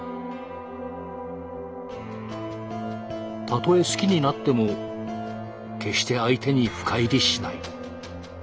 たとえ好きになっても決して相手に深入りしない。